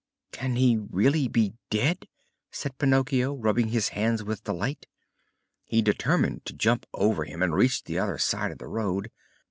"Can he really be dead?" said Pinocchio, rubbing his hands with delight. He determined to jump over him and reach the other side of the road.